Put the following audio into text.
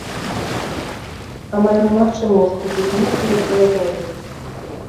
Амаль немагчыма ўжо купіць месца і ў санаторыі.